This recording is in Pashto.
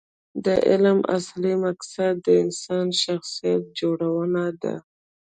د علم اصلي مقصد د انسان شخصیت جوړونه ده.